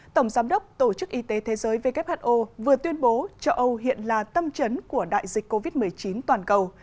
tổng giám đốc tổ chức y tế thế giới who vừa tuyên bố châu âu hiện là tâm trấn của đại dịch covid một mươi chín toàn cầu